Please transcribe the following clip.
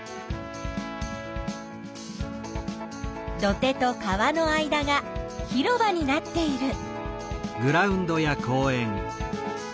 土手と川の間が広場になっている。